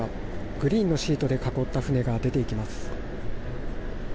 グリーンのシートで囲った船が出ていきます。